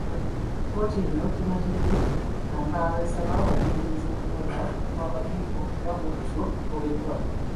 Kkooti eno tematidde nampaba esaba okuyimirizza okulonda kwa kakiiko era bwekutyo kugobeddwa.